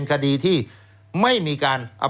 แล้วเขาก็ใช้วิธีการเหมือนกับในการ์ตูน